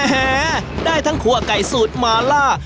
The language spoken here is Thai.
แหได้ทั้งครัวไก่สูตรมาล่า